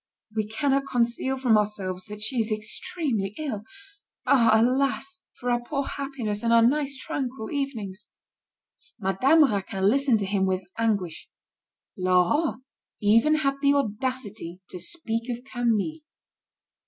"We cannot conceal from ourselves that she is extremely ill. Ah! alas, for our poor happiness, and our nice tranquil evenings!" Madame Raquin listened to him with anguish. Laurent even had the audacity to speak of Camille.